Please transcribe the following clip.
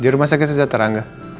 di rumah sakit sejahterang ya